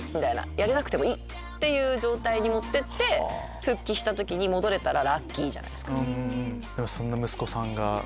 やれなくてもいい！っていう状態に持ってって復帰した時に戻れたらラッキーじゃないですか。